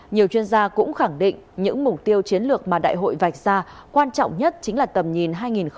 nhiều chuyên gia cũng khẳng định những mục tiêu chiến lược mà đại hội vạch ra quan trọng nhất chính là tầm nhìn hai nghìn hai mươi năm